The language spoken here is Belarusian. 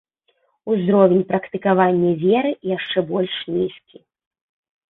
Узровень практыкавання веры яшчэ больш нізкі.